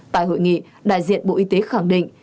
tại hội nghị đại diện bộ y tế khẳng định